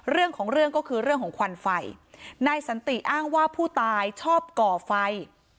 เรื่องของเรื่องก็คือเรื่องของควันไฟนายสันติอ้างว่าผู้ตายชอบก่อไฟ